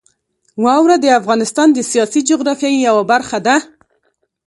واوره د افغانستان د سیاسي جغرافیې یوه برخه ده.